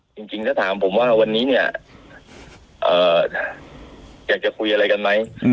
จริงถ้าถามผมว่าวันนี้เนี่ยอยากจะคุยอะไรกันไหม